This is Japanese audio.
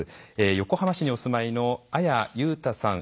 横浜市にお住まいの綾優太さん